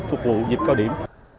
phục vụ dịp cao điểm